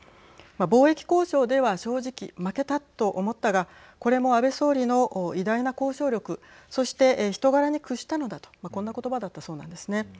貿易交渉では正直、負けたと思ったがこれも安倍総理の偉大な交渉力そして、人柄に屈したのだとこんなことばだったそうなんですね。